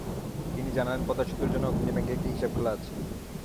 তিনি জানালেন, পদ্মা সেতুর জন্য অগ্রণী ব্যাংকে একটি হিসাব খোলা আছে।